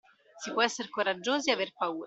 Si può essere coraggiosi e aver paura.